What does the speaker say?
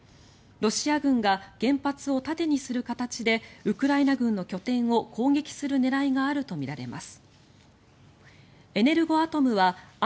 ロシア軍が原発を盾にする形でウクライナ軍の拠点を攻撃する狙いがあるとみられます。